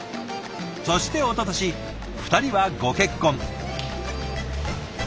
そしておととし２人はご結婚。